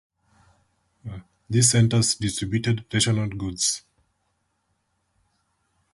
These centers distributed rationed goods.